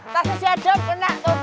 tasis aja kena tuh